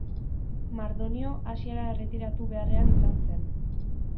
Mardonio Asiara erretiratu beharrean izan zen.